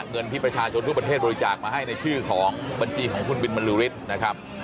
เงินที่ประชาชนทุกประเทศบริจาคมาให้ในชื่อของบัญชีของคุณบินบรรลือฤทธิ์นะครับ